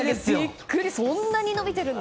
そんなに伸びているんだ！